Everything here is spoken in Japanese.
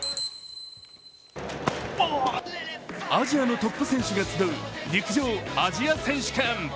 アジアのトップ選手が集う陸上・アジア選手権。